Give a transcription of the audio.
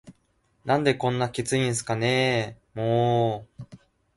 「何でこんなキツいんすかねぇ～も～…」